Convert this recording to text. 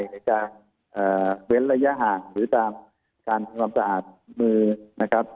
ในการเว้นระยะห่างหรือตามการทำความสะอาดมือนะครับ